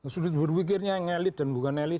sudut berpikirnya yang elit dan bukan elit